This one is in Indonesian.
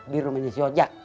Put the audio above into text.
di rumahnya si ojak